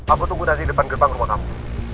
aku tunggu nanti di depan gerbang rumah kamu